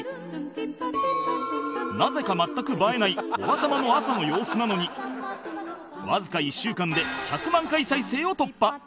なぜか全く映えないおばさまの朝の様子なのにわずか１週間で１００万回再生を突破